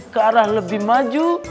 ke arah lebih maju